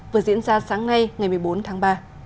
vừa diễn ra sáng nay ngày một mươi bốn tháng ba